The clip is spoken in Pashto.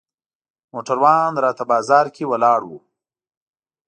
موټروان راته بازار کې ولاړ و.